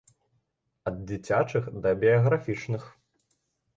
Ад дзіцячых да біяграфічных.